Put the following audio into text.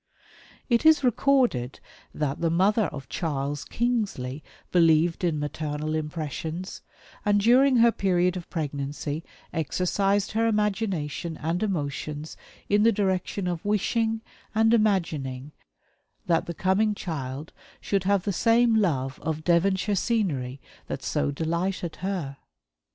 It is recorded that the mother of Charles Kingsley believed in maternal impressions, and during her period of pregnancy exercised her imagination and emotions in the direction of wishing, and imagining, that the coming child should have the same love of Devonshire scenery that so delighted her.